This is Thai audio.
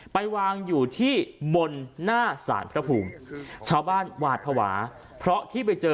ไปวางอยู่ที่บนหน้าสารพระภูมิชาวบ้านหวาดภาวะเพราะที่ไปเจอ